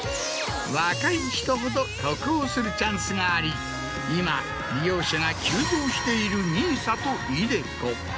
若い人ほど得をするチャンスがあり今利用者が急増しているＮＩＳＡとｉＤｅＣｏ。